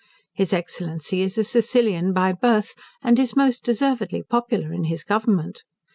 His Excellency is a Sicilian by birth, and is most deservedly popular in his government.